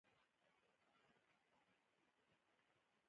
اندرور دمېړه خور ته وايي